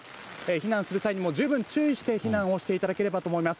避難する際にも十分注意して避難をしていただければと思います。